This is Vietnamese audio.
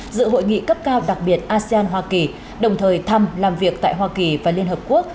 dự hội nghị cấp cao đặc biệt asean hoa kỳ đồng thời thăm làm việc tại hoa kỳ và liên hợp quốc